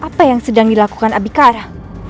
apa yang sedang dilakukan abikara